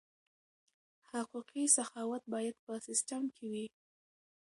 حقوقي سخاوت باید په سیستم کې وي.